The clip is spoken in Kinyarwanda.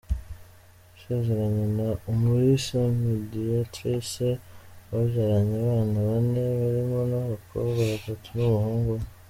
Yasezeranye na Umulisa Médiatrice babyaranye abana bane, barimo abakobwa batatu n’umuhungu umwe.